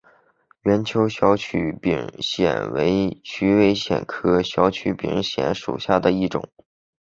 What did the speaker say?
圆锹小曲柄藓为曲尾藓科小曲柄藓属下的一个种。